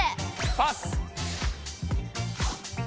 パス！